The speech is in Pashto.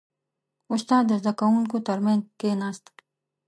• استاد د زده کوونکو ترمنځ کښېناست.